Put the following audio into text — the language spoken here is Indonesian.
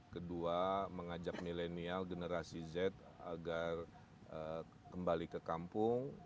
kedua mengajak milenial generasi z agar kembali ke kampung